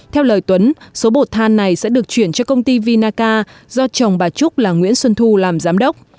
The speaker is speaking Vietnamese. theo lời tuấn số bột than này sẽ được chuyển cho công ty vinaca do chồng bà trúc là nguyễn xuân thu làm giám đốc